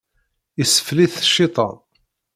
Isfel-it cciṭan.